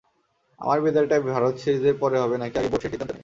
আমার বিদায়টা ভারত সিরিজের পরে হবে নাকি আগে, বোর্ড সেই সিদ্ধান্ত নেবে।